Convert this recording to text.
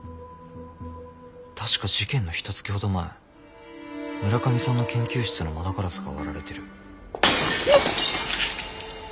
確か事件のひとつきほど前村上さんの研究室の窓ガラスが割られてる。